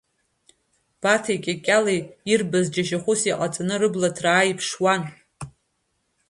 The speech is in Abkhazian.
Баҭеи Кьакьалеи ирбаз џьашьахәыс иҟаҵаны, рыбла ҭраа иԥшуан.